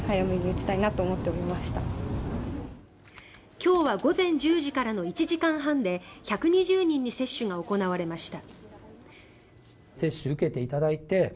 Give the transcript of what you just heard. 今日は午前１０時からの１時間半で１２０人に接種が行われました。